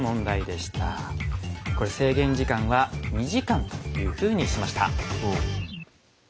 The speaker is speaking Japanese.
これ制限時間は２時間というふうにしました。